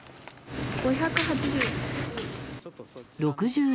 ５８０円。